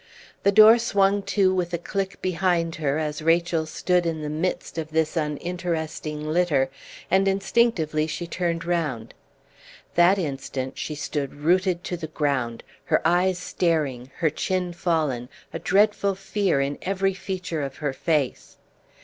The door swung to with a click behind her as Rachel stood in the midst of this uninteresting litter, and instinctively she turned round. That instant she stood rooted to the ground, her eyes staring, her chin fallen, a dreadful fear in every feature of her face.